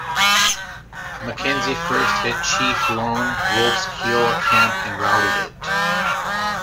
Mackenzie first hit Chief Lone Wolf's Kiowa camp and routed it.